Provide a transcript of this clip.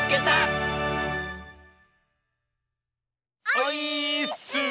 オイーッス！